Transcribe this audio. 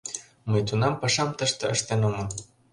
Мый тунам пашам тыште ыштен омыл.